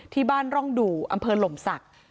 ที่บ้านร่องดู่อำเภอหล่มศักดิ์